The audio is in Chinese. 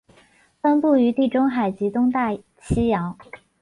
分布于地中海及东大西洋。